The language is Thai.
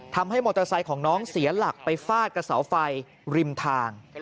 ทำให้มอเตอร์ไซค์ของน้องเสียหลักไปฟาดกับเสาไฟริมทาง